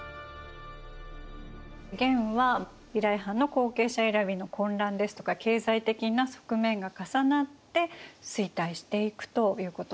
元はフビライ・ハンの後継者選びの混乱ですとか経済的な側面が重なって衰退していくということなんですね。